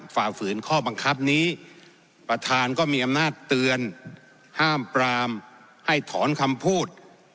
ฝ่าฝืนข้อบังคับนี้ประธานก็มีอำนาจเตือนห้ามปรามให้ถอนคำพูด